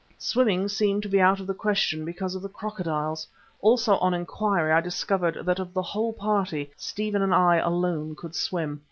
Swimming seemed to be out of the question because of the crocodiles. Also on inquiry I discovered that of the whole party Stephen and I alone could swim.